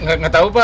gak tau pak